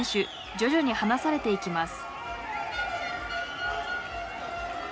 徐々に離されていきます。